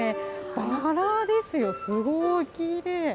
バラですよ、すごいきれい。